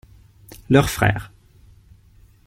Leur frère.